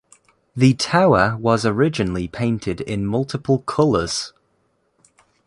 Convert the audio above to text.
The tower was originally painted in multiple colors.